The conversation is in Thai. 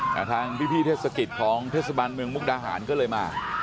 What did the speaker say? แต่ทางพี่เทศกิจของเทศบาลเมืองมุกดาหารก็เลยมา